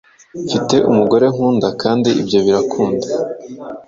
Mfite umugore nkunda, kandi ibyo birankunda;